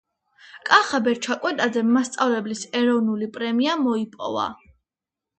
კახაბერ ჩაკვეტაძემ მასწავლებლის ეროვნული პრემია მოიპოვა